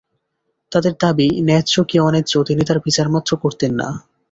তাঁদের দাবি ন্যায্য কি অন্যায্য তিনি তার বিচারমাত্র করতেন না।